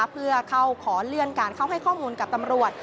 เพื่อเข้าขอเลื่อนการเข้าให้ข้อมูลกับตำรวจ